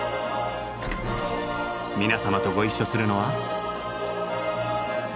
皆様とご一緒するのは。